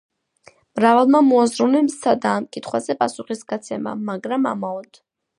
მრავალმა მოაზროვნემ სცადა ამ კითხვაზე პასუხის გაცემა, მაგრამ ამაოდ.